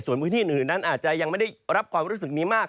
ส่วนพื้นที่อื่นนั้นอาจจะยังไม่ได้รับความรู้สึกนี้มาก